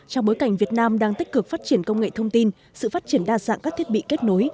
trong bối cảnh việt nam đang tích cực phát triển công nghệ thông tin sự phát triển đa dạng các thiết bị kết nối